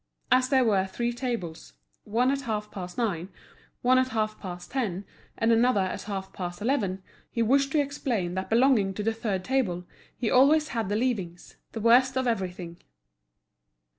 As there were three tables, one at half past nine, one at half past ten, and another at half past eleven, he wished to explain that belonging to the third table, he always had the leavings, the worst of everything.